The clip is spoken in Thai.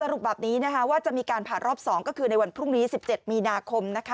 รุปแบบนี้นะคะว่าจะมีการผ่ารอบ๒ก็คือในวันพรุ่งนี้๑๗มีนาคมนะคะ